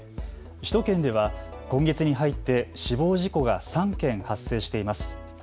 首都圏では今月に入って死亡事故が３件発生しています。